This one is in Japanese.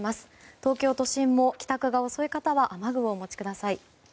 東京都心も帰宅が遅い方は雨具をお持ちください。